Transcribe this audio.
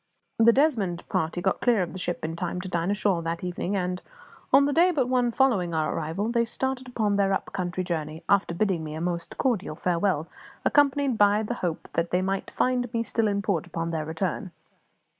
The Desmond party got clear of the ship in time to dine ashore that evening; and, on the day but one following our arrival, they started upon their up country journey, after bidding me a most cordial farewell, accompanied by the hope that they might find me still in port upon their return.